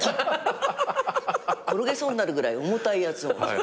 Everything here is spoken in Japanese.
転げそうになるぐらい重たいやつを。